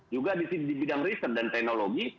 juga di bidang riset dan teknologi